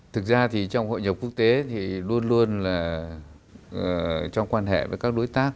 thực ra thì trong hội nhập quốc tế thì luôn luôn là trong quan hệ với các đối tác